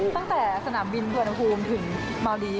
ตั้งแต่สนามวิบเรือในภูมิถึงเมาดี